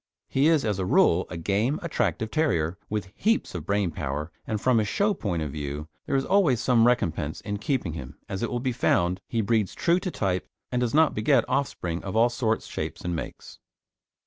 He is, as a rule, a game, attractive terrier, with heaps of brain power, and from a show point of view there is always some recompense in keeping him, as it will be found he breeds true to type and does not beget offspring of all sorts, shapes, and makes.